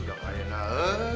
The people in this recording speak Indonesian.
udah main ah